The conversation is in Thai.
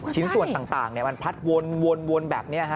ชิ้นส่วนต่างมันพัดวนแบบนี้